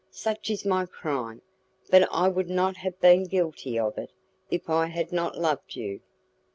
Such is my crime, but I would not have been guilty of it, if I had not loved you."